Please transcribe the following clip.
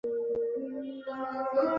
তুমি মজা করছ, তাই না।